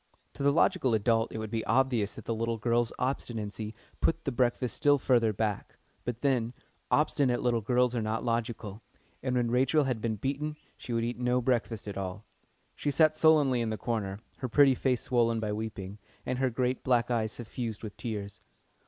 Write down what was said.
To the logical adult it will be obvious that the little girl's obstinacy put the breakfast still further back; but then, obstinate little girls are not logical, and when Rachel had been beaten she would eat no breakfast at all. She sat sullenly in the corner, her pretty face swollen by weeping, and her great black eyes suffused with tears.